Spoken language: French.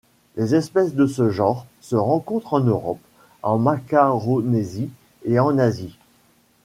Les espèces de ce genre se rencontrent en Europe, en Macaronésie et en Asie.